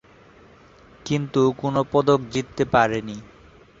কিন্তু কোন পদক জিততে পারেনি।